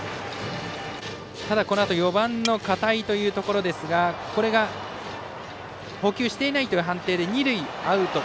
ただ、このあと４番の片井ということですがこれが捕球していないという判定で二塁アウト。